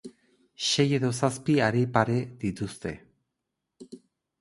Sei edo zazpi hari pare dituzte.